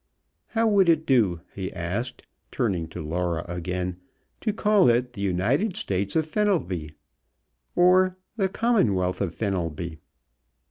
"How would it do," he asked, turning to Laura again, "to call it the 'United States of Fenelby?' Or the 'Commonwealth of Fenelby?'